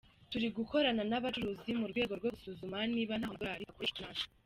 Turi gukorana n’ abacuruzi mu rwego rwo gusuzuma niba ntaho amadorali akoreshwa nabi.